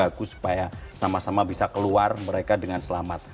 dan itu harus dikaguh supaya sama sama bisa keluar mereka dengan selamat